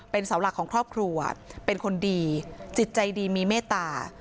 เป็นเสาหลักของครอบครัวเป็นคนดีจิตใจดีมีเมตตา